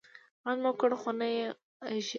غږ مې وکړ خو نه یې اږري